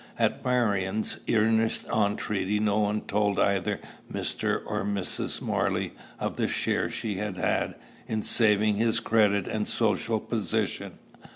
At Marion's earnest entreaty no one told either Mr. or Mrs. Morley of the share she had had in saving his credit and social position.